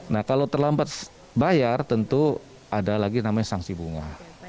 nah kalau terlambat bayar tentu ada lagi namanya sanksi bunga